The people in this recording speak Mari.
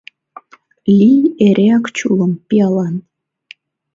Лий эреак чулым, пиалан.